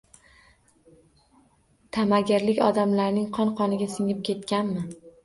Ta’magirlik odamlarning qon-qoniga singib ketganmi?